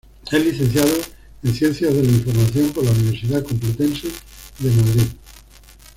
Es licenciado en ciencias de la Información por la Universidad Complutense de Madrid.